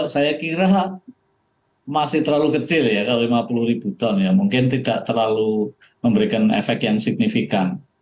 saya kira masih terlalu kecil ya kalau lima puluh ribu ton ya mungkin tidak terlalu memberikan efek yang signifikan